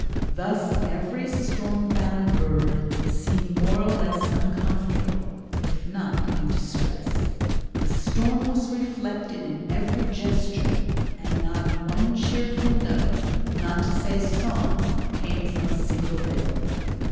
Thus every storm bound bird seemed more or less uncomfortable, if not in distress. The storm was reflected in every gesture, and not one cheerful note, not to say song, came from a single bill.